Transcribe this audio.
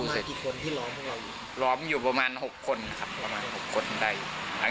ช่วยเร่งจับตัวคนร้ายให้ได้โดยเร่ง